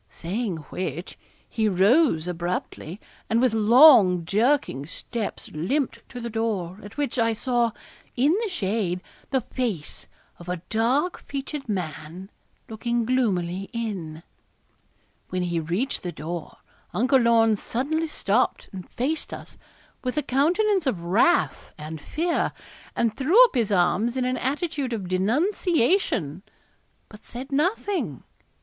Saying which, he rose abruptly, and with long jerking steps limped to the door, at which, I saw, in the shade, the face of a dark featured man, looking gloomily in. When he reached the door Uncle Lorne suddenly stopped and faced us, with a countenance of wrath and fear, and threw up his arms in an attitude of denunciation, but said nothing.